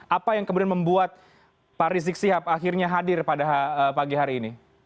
apa yang kemudian membuat pak rizik sihab akhirnya hadir pada pagi hari ini